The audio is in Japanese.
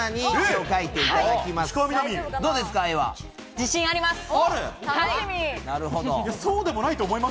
自信あります。